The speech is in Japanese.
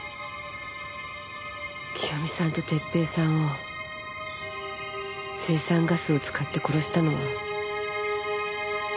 清美さんと哲平さんを青酸ガスを使って殺したのは。